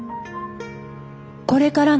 これからの人生